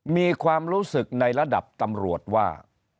มีความรู้สึกในระดับตำรวจว่า